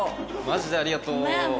マジでありがとう。ごめん。